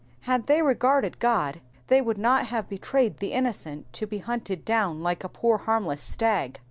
Had they regarded (Jod they would not have betrayed the innocent to be hunted down like a poor harmless stag.